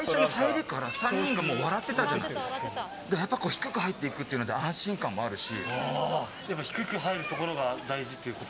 低く入っていくっていうので安心感もあるし。